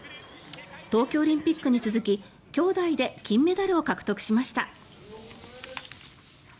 東京オリンピックに続き兄妹で金メダルを獲得しました。